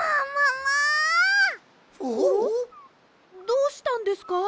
どうしたんですか？